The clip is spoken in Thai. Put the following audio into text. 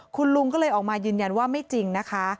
คุณลุงก็เลยออกมายืนยันว่าไม่จริงนะคะ